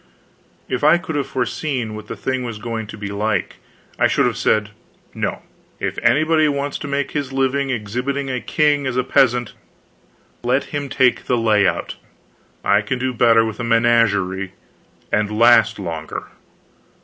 If I could have foreseen what the thing was going to be like, I should have said, No, if anybody wants to make his living exhibiting a king as a peasant, let him take the layout; I can do better with a menagerie, and last longer.